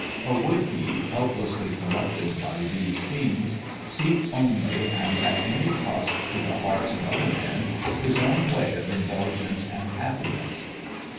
Or would he, helplessly corrupted by these scenes, seek only, and at any cost to the hearts of other men, his own way of indulgence and happiness